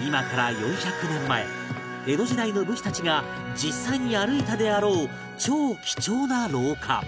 今から４００年前江戸時代の武士たちが実際に歩いたであろう超貴重な廊下